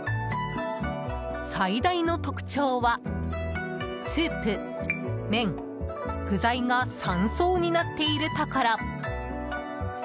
最大の特徴はスープ、麺、具材が３層になっているところ。